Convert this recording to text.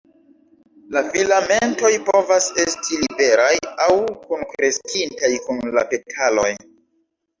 La filamentoj povas esti liberaj aŭ kunkreskintaj kun la petaloj.